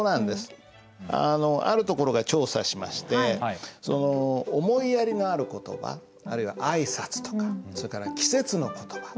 あるところが調査しましてその思いやりのある言葉あるいは挨拶とかそれから季節の言葉。